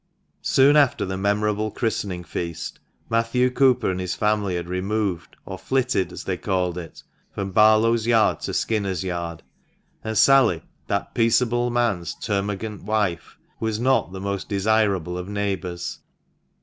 Soon after the memorable christening feast, Matthew Cooper and his family had removed— or "flitted," as they called it — from Barlow's Yard to Skinners' Yard ; and Sally, that peaceable man's termagant wife, was not the most desirable of neighbours.